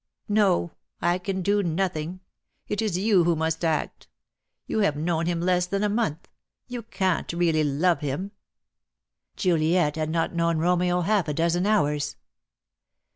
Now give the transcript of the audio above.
"No, I can do nothing. It is you who must act. You have known him less than a month. You can't really love him." "Juliet had not known Romeo half a dozen hours."